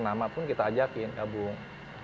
nama pun kita ajakin gabung